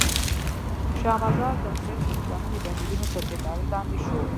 شا مزار د حزب اسلامي مجاهدینو تر اداره لاندې شو.